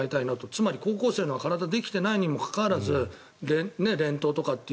つまり、高校生のほうが体ができていないにもかかわらず連投とか。